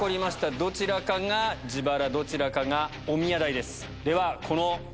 どちらかが自腹どちらかがおみや代です。